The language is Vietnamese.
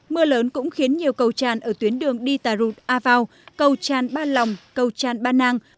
mưa lớn cũng khiến nhiều cầu tràn ở tuyến đường dita route a vào cầu tràn ba lòng cầu tràn ba nang